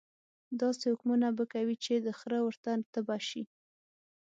داسې حکمونه به کوي چې د خره ورته تبه شي.